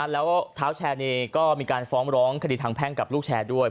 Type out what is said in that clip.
แล้วเท้าแชร์นี้ก็มีการฟ้องร้องคดีทางแพ่งกับลูกแชร์ด้วย